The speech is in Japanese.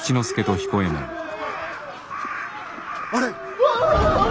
あれ！